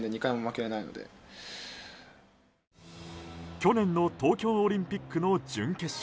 去年の東京オリンピックの準決勝